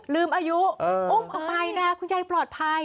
ลืมอายุอุ้มออกไปนะคุณยายปลอดภัย